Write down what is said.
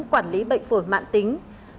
quản lý bệnh phổi mạng tính